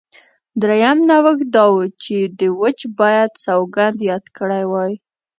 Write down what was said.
درېیم نوښت دا و چې دوج باید سوګند یاد کړی وای